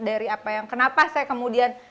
dari apa yang kenapa saya kemudian